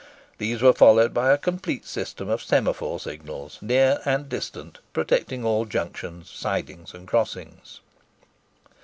These were followed by a complete system of semaphore signals, near and distant, protecting all junctions, sidings, and crossings.